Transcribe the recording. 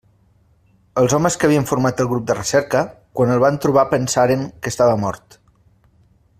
Els homes que havien format el grup de recerca, quan el van trobar pensaren que estava mort.